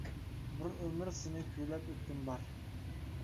بىر ئۆمۈر سېنى كۈيلەپ ئۆتكۈم بار!